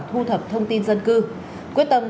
thu thập thông tin dân cư quyết tâm